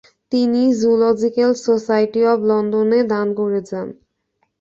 তিনি zoological society of লন্ডনে দান করে যান।